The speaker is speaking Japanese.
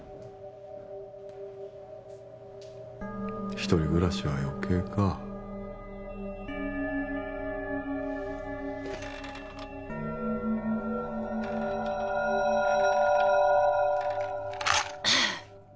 一人暮らしは余計かあ